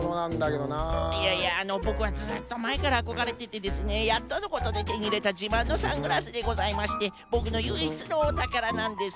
いやいやボクはずっとまえからあこがれててですねやっとのことでてにいれたじまんのサングラスでございましてボクのゆいいつのおたからなんです。